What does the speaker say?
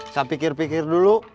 saya pikir pikir dulu